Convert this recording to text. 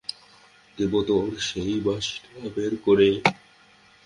দেবো তোর সেই বাঁশিটা বের করে?